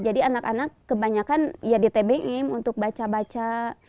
jadi anak anak kebanyakan ya di tbm untuk baca baca